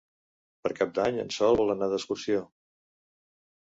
Per Cap d'Any en Sol vol anar d'excursió.